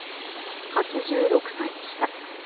８６歳でした。